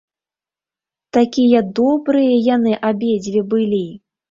Такія добрыя яны абедзве былі!